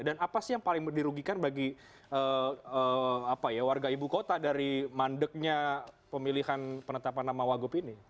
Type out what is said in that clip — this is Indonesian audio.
dan apa sih yang paling dirugikan bagi warga ibu kota dari mandeknya pemilihan penetapan nama wagub ini